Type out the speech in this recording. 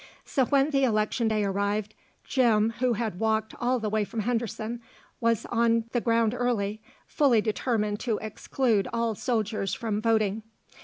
So when the election day arrived, Jim, who had walked all the way from Henderson, was on the ground early, fully determined to exclude all soldiers from voting.